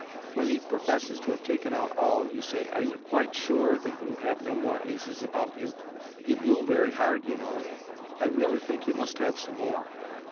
When h<* professes to have taken out all, you say, " Are you quite sure that you have no more aces about you ? You blew very hard, you know. 1 really think you must have some more.